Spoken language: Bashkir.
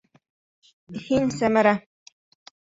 Һин, Сәмәрә.